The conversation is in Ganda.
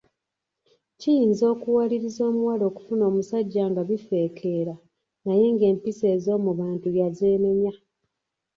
Kiyinza okuwaliriza omuwala okufuna omusajja nga bifeekera naye ng’empisa ez’omu bantu yazeenenya!